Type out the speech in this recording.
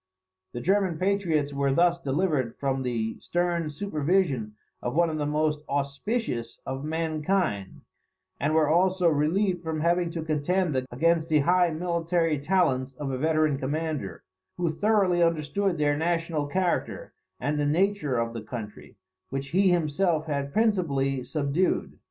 The German patriots were thus delivered from the stern supervision of one of the most auspicious of mankind, and were also relieved from having to contend against the high military talents of a veteran commander, who thoroughly understood their national character, and the nature of the country, which he himself had principally subdued.